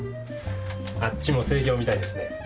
あっちも盛況みたいですね。